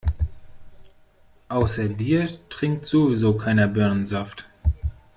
Außer dir trinkt sowieso keiner Birnensaft.